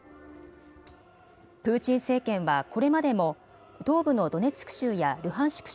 プーチン政権はこれまでも東部のドネツク州やルハンシク